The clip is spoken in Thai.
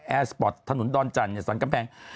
แอร์สปอร์ตถนนดอนจันทร์สรรกำแพง